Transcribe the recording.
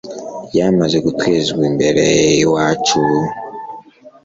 ryamaze gutezwa imbere iwacu